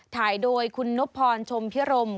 ถ่ายโดยคุณนพรชมพิรม